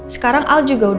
sekarang aku akan mencari